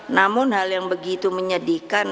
namun hal yang begitu menyedihkan